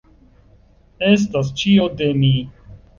Estas ĉio de mi!